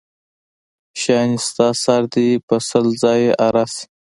شانې ستا سر دې په سل ځایه اره شي.